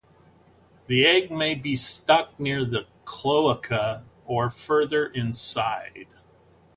The egg may be stuck near the cloaca, or further inside.